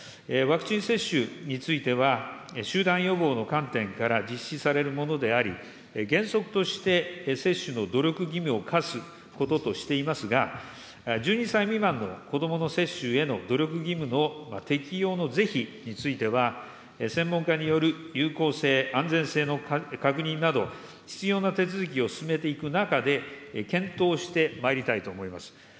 ワクチン接種については、集団予防の観点から実施されるものであり、原則として、接種の努力義務を課すこととしていますが、１２歳未満の子どもの接種への努力義務の適用の是非については、専門家による有効性、安全性の確認など、必要な手続きを進めていく中で、検討してまいりたいと思います。